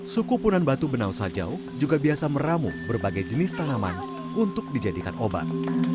suku punan batu benau sajau juga biasa meramu berbagai jenis tanaman untuk dijadikan obat